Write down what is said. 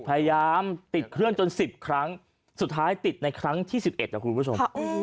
พยายามติดเครื่องจน๑๐ครั้งสุดท้ายติดในครั้งที่๑๑นะคุณผู้ชม